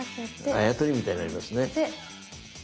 あや取りみたいになりますね。